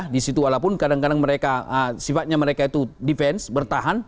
di situ walaupun kadang kadang mereka sifatnya mereka itu defense bertahan